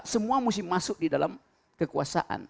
semua mesti masuk di dalam kekuasaan